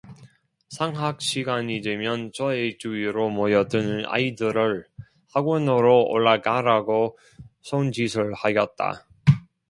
상학 시간이 되면 저의 주위로 모여드는 아이들을 학원으로 올라가라고 손짓을 하였다.